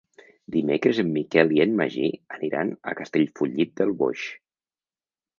Dimecres en Miquel i en Magí aniran a Castellfollit del Boix.